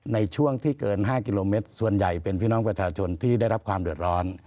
ในช่วงที่เกิน๕กิโลเมตรส่วนใหญ่เป็นพี่น้องประชาชนที่ได้รับความเดือดร้อน